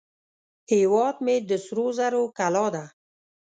هیواد مې د سرو زرو کلاه ده